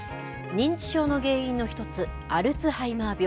認知症の原因の１つ、アルツハイマー病。